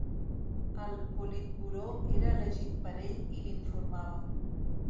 El Politburó era elegit per ell i l'informava.